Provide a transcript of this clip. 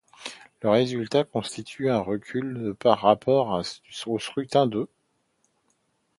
Ce résultat constitue un recul de par rapport au scrutin de.